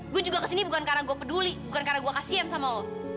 gue juga kesini bukan karena gue peduli bukan karena gue kasian sama lo